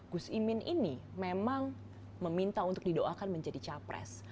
gus imin ini memang meminta untuk didoakan menjadi capres